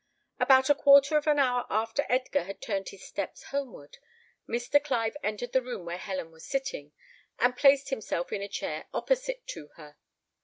About a quarter of an hour after Edgar had turned his steps homeward, Mr. Clive entered the room where Helen was sitting, and placed himself in a chair opposite to her.